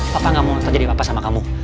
papa gak mau terjadi apa apa sama kamu